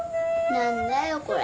何だよこれ。